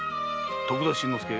徳田新之助。